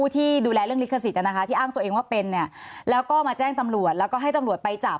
ที่อ้างตัวเองว่าเป็นแล้วก็มาแจ้งตำรวจแล้วก็ให้ตำรวจไปจับ